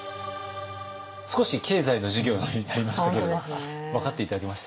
少し経済の授業のようになりましたけど分かって頂けました？